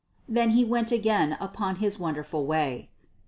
Then he went again upon his wonderful way.